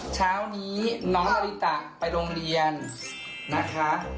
เช้านี้น้องอริตะไปโรงเรียนนะคะ